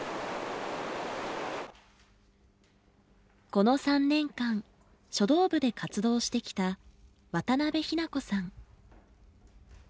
この３年間書道部で活動してきた渡邉日菜子さん。